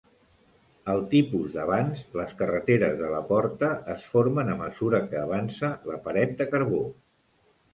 Al tipus d'avanç, les carreteres de la porta es formen a mesura que avança la paret de carbó.